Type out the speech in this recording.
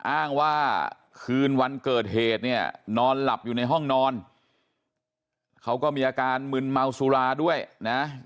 อ้างว่าคืนวันเกิดเหตุเนี่ยนอนหลับอยู่ในห้องนอนเขาก็มีอาการมึนเมาสุราด้วยนะ